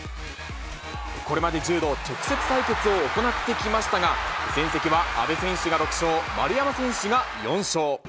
これまで１０度、直接対決を行ってきましたが、戦績は阿部選手が６勝、丸山選手が４勝。